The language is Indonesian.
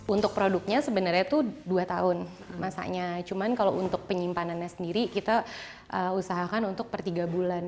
untuk produknya sebenarnya itu dua tahun masanya cuma kalau untuk penyimpanannya sendiri kita usahakan untuk per tiga bulan